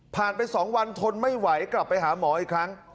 ไป๒วันทนไม่ไหวกลับไปหาหมออีกครั้ง